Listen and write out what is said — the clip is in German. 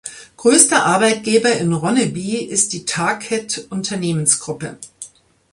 Größter Arbeitgeber in Ronneby ist die Tarkett-Unternehmensgruppe.